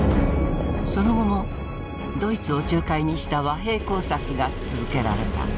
その後もドイツを仲介にした和平工作が続けられた。